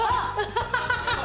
ハハハハハ！